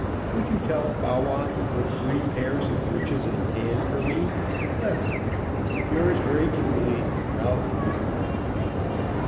Would you tell Bawwah to put three pairs of breeches in hand for me, leather. Yours very truly, RALPH NEWTON.